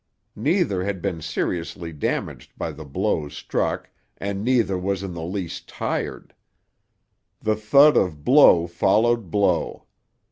Neither had been seriously damaged by the blows struck and neither was in the least tired. The thud of blow followed blow.